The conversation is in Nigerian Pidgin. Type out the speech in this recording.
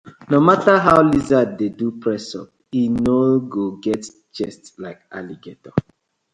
No matter how lizard dey do press up e no go get chest like alligator: